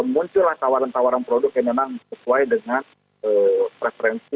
muncullah tawaran tawaran produk yang memang sesuai dengan preferensi